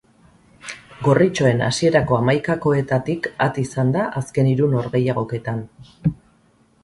Gorritxoen hasierako hamaikakoetatik at izan da azken hiru norgehigoketan.